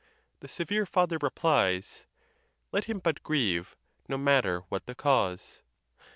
the severe father replies, Let him but grieve, no matter what the cause.